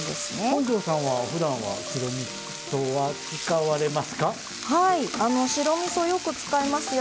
本上さんはふだんは白みそは使われますか？